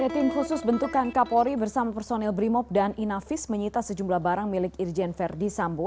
tim khusus bentukan kapolri bersama personil brimop dan inavis menyita sejumlah barang milik irjen verdi sambo